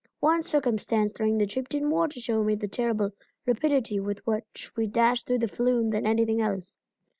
One circumstance during the trip did more to show me the terrible rapidity with which we dashed through the flume than anything else.